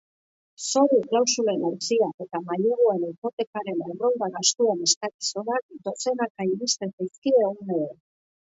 Zoru klausulen auziak eta maileguen hipotekaren errolda-gastuen eskakizunak dozenaka iristen zaizkie egunero.